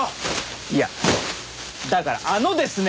いやだからあのですね！